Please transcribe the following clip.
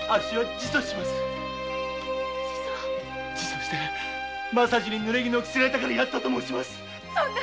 自訴してぬれ衣を着せられたからやったと申します。